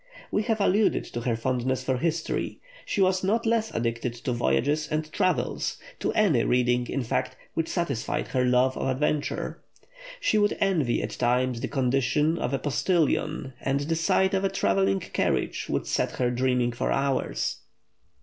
We have alluded to her fondness for history. She was not less addicted to voyages and travels to any reading, in fact, which satisfied her love of adventure. She would envy at times the condition of a postilion, and the sight of a travelling carriage would set her dreaming for hours.